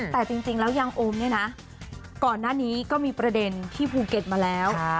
แต่จริงแล้วยางโอมเนี่ยนะก่อนหน้านี้ก็มีประเด็นที่ภูเก็ตมาแล้ว